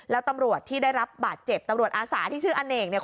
แล้วตำรวจที่ได้รับบาดเจ็บตำรวจอาสาที่ชื่ออเนกเนี่ย